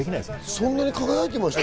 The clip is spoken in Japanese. そんなに輝いてました？